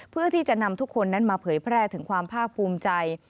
เพื่อที่จะนำทุกคนนั้นมาเผยแพร่ถึงความภาคภูมิใจ